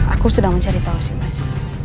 aku sudah mencari tau sih mas